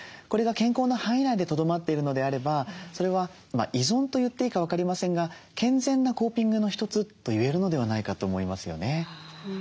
これが健康の範囲内でとどまっているのであればそれは依存と言っていいか分かりませんが健全なコーピングの一つと言えるのではないかと思いますよね。